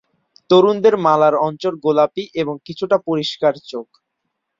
তরুণদের মালার অঞ্চল গোলাপী এবং কিছুটা পরিষ্কার চোখ।